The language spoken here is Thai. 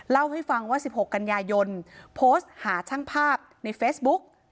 เล่าให้ฟังว่า๑๖กันยายนโพสต์หาช่างภาพในเฟซบุ๊ก